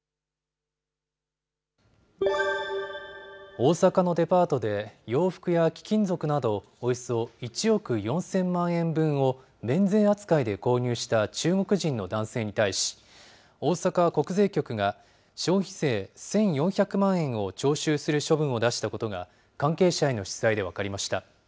大阪のデパートで、洋服や貴金属などおよそ１億４０００万円分を免税扱いで購入した中国人の男性に対し、大阪国税局が、消費税１４００万円を徴収する処分を出したことが、関係者への取材で分かりました。